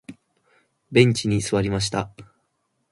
ベンチに座りました。